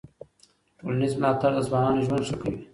ټولنیز ملاتړ د ځوانانو ژوند ښه کوي.